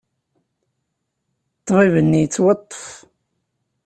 Ṭṭbib-nni yettwaṭṭef.